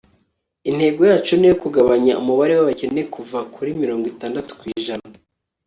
intego yacu ni iyo kugabanya umubare w'abakene kuva kuri mirongo itandatu ku ijana